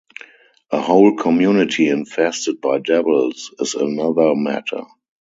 A whole community infested by devils is another matter.